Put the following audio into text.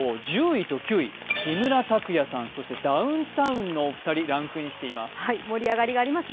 １０位と９位、木村拓哉さん、そしてダウンタウンのお二人、ランクインしています。